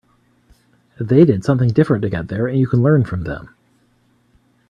They did something different to get there and you can learn from them.